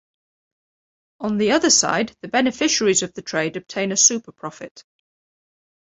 On the other side, the beneficiaries of the trade obtain a superprofit.